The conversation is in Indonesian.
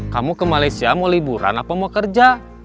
kamu ke malaysia mau liburan apa mau kerja